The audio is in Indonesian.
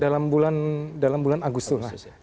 ya baru beberapa dalam bulan agustus